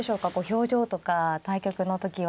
表情とか対局の時は。